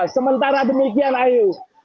sementara demikian ayo